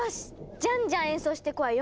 じゃんじゃん演奏してくわよ。